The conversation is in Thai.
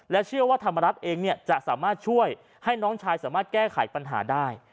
เชื่อว่าธรรมรัฐเองจะสามารถช่วยให้น้องชายสามารถแก้ไขปัญหาได้